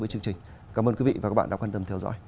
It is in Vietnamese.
với chương trình cảm ơn quý vị và các bạn đã quan tâm theo dõi